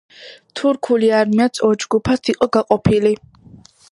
თურქული არმიაც ორ ჯგუფად იყო გაყოფილი.